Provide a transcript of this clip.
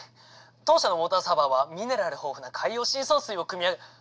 当社のウォーターサーバーはミネラル豊富な海洋深層水をくみ上げ。